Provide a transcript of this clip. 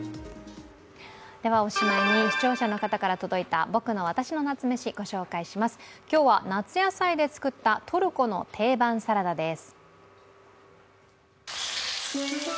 ではおしまいに、視聴者の方から届いた「ぼくのわたしの夏メシ」、お伝えします。今日は夏野菜で作ったトルコの定番サラダです。